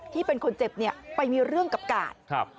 ที่เป็นคนเจ็บเนี่ยไปมีเรื่องกับกาด